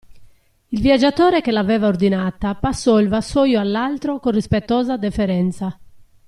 Il viaggiatore che l'aveva ordinata passò il vassoio all'altro con rispettosa deferenza.